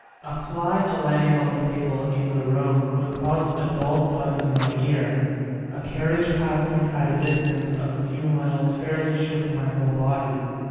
A fly alighting on a table in the room would cause a dull thud in my ear. A carriage passing at a distance of a few miles fairly shook my whole body.